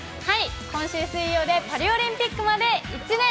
今週水曜で、パリオリンピックまで１年。